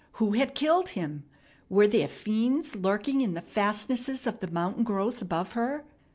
Who had killed him? Were there fiends lurking in the fastnesses of the mountain growth above her?